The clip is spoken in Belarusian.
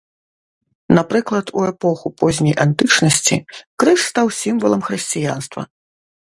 Напрыклад, у эпоху позняй антычнасці крыж стаў сімвалам хрысціянства.